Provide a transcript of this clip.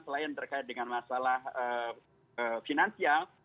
selain terkait dengan masalah finansial